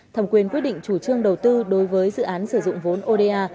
thẩm quyền quyết định chủ trương đầu tư đối với dự án sử dụng vốn oda